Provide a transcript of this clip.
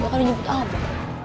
gue akan dijemput abang